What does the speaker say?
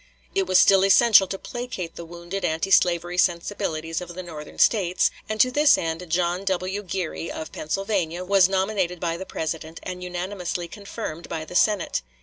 It was still essential to placate the wounded anti slavery sensibilities of the Northern States, and to this end John W. Geary, of Pennsylvania, was nominated by the President and unanimously confirmed by the Senate.